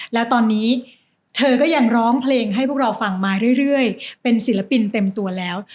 แล้วตอนนี้เธอก็ยังร้องเพลงให้พวกเราฟังมาเรื่อยเป็นศิลปินเต็มตัวแล้ว